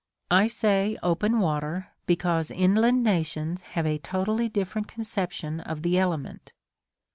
I say open water, because inland nations have a totally different conception of the element.